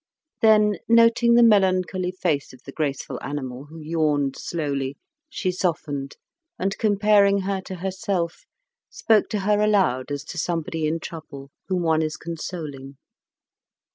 Then noting the melancholy face of the graceful animal, who yawned slowly, she softened, and comparing her to herself, spoke to her aloud as to somebody in trouble whom one is consoling.